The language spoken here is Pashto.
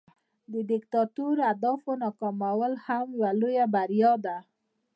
د دیکتاتور د اهدافو ناکامول هم یوه لویه بریا ده.